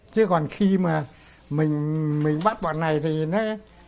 chứ còn khi mà mình bắt bọn này thì nó